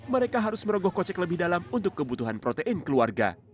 mereka harus merogoh kocek lebih dalam untuk kebutuhan protein keluarga